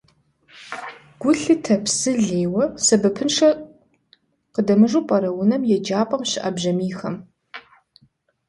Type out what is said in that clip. Гу лъытэ, псы лейуэ, сэбэпыншэу къыдэмыжу пӀэрэ унэм, еджапӀэм щыӀэ бжьамийхэм.